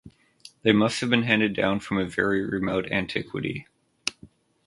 They must have been handed down from a very remote antiquity.